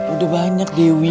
udah banyak deh wi